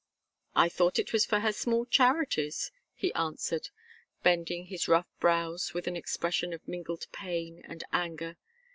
"I thought it was for her small charities," he answered, bending his rough brows with an expression of mingled pain and anger.